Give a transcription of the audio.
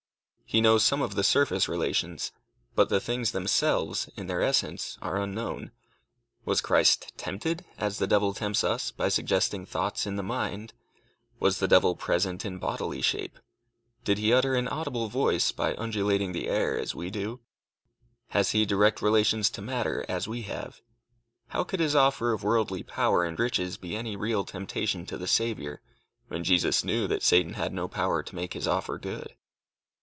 He knows some of the surface relations. But the things themselves, in their essence, are unknown. Was Christ tempted, as the devil tempts us, by suggesting thoughts in the mind? Was the devil present in a bodily shape? Did he utter an audible voice, by undulating the air, as we do? Has he direct relations to matter, as we have? How could his offer of worldly power and riches be any real temptation to the Saviour, when Jesus knew that Satan had no power to make his offer good?